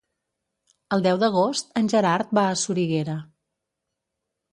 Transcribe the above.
El deu d'agost en Gerard va a Soriguera.